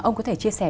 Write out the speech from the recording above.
ông có thể chia sẻ